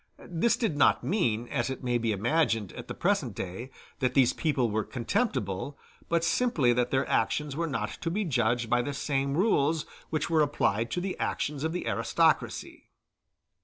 This did not mean, as it may be imagined at the present day, that these people were contemptible; but simply that their actions were not to be judged by the same rules which were applied to the actions of the aristocracy.